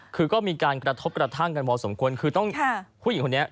ก็มีการกระทบกระทั่งกันว่าสมควรคือต้องค่ะ